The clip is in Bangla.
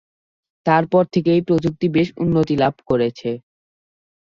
তারপর থেকে এই প্রযুক্তি বেশ উন্নতি লাভ করেছে।